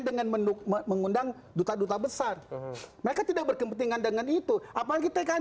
dengan menu mengundang duta duta besar mereka tidak berkepentingan dengan itu apalagi tkn